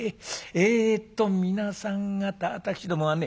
えっと皆さん方私どもはね